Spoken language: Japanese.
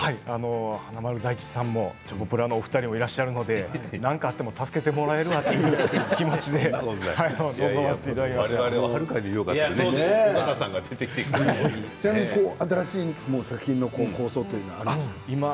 華丸・大吉さんもチョコプラさんもいらっしゃるので何かあっても助けていただけるという気持ちで我々を新しい作品の構想があるんですか？